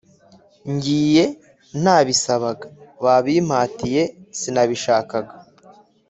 Ngiye ntabisabaga babimpatiye sinabishakaga